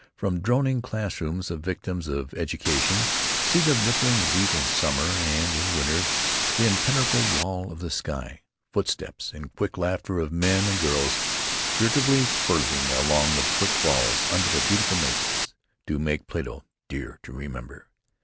From droning class rooms the victims of education see the rippling wheat in summer; and in winter the impenetrable wall of sky. Footsteps and quick laughter of men and girls, furtively flirting along the brick walls under the beautiful maples, do make Plato dear to remember.